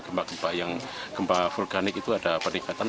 gempa gempa yang gempa vulkanik itu ada peningkatan